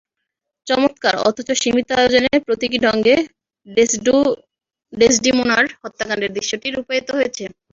চমৎকার অথচ সীমিত আয়োজনে প্রতীকী ঢঙে ডেসডিমোনার হত্যাকাণ্ডের দৃশ্যটি রূপায়িত হয়েছে।